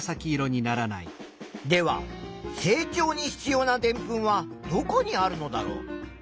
では成長に必要なでんぷんはどこにあるのだろう？